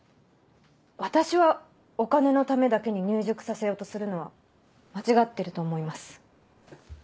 私はお金のためだけに入塾させようとするのは間違ってると思います。